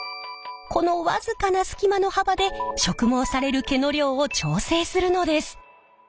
この僅かな隙間の幅で植毛される毛の量を調整するのです。